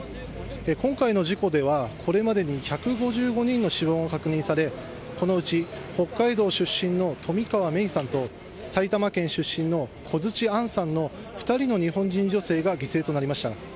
今回の事故では、これまでに１５５人の死亡が確認され、このうち北海道出身の冨川芽生さんと、埼玉県出身の小槌杏さんの２人の日本人女性が犠牲となりました。